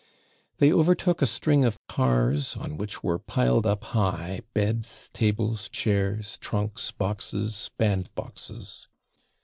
They overtook a string of cars, on which were piled up high, beds, tables, chairs, trunks, boxes, bandboxes.